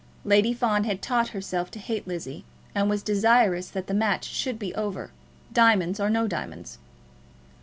Lady Fawn had taught herself to hate Lizzie, and was desirous that the match should be over, diamonds or no diamonds.